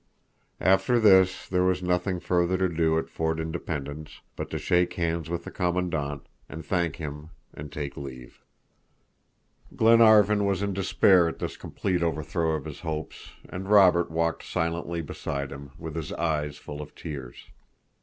After this, there was nothing further to do at Fort Independence but to shake hands with the Commandant, and thank him and take leave. Glenarvan was in despair at this complete overthrow of his hopes, and Robert walked silently beside him, with his eyes full of tears.